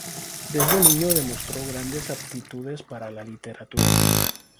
Desde niño demostró grandes aptitudes para la literatura.